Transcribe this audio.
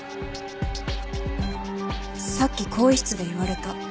さっき更衣室で言われた。